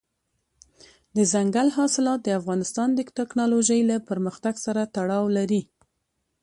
دځنګل حاصلات د افغانستان د تکنالوژۍ له پرمختګ سره تړاو لري.